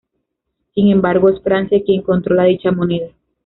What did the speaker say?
Sin embargo, es Francia quien controla dicha moneda.